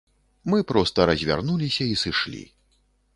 Мы проста развярнуліся і сышлі.